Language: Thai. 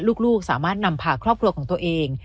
ลูกสามารถนำพาครอบครัวของตัวเอง